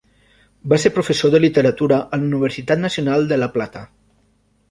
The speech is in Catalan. Va ser professor de literatura a la Universitat Nacional de La Plata.